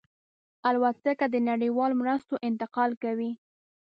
الوتکه د نړیوالو مرستو انتقال کوي.